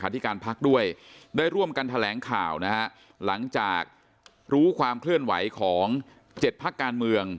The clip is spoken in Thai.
ที่ได้ร่วมกันแถลงข่าวหลังจากรู้ความเคลื่อนไหวของ๗ภักดิ์การเมือง